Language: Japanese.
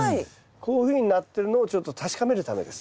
こういうふうになってるのをちょっと確かめるためです。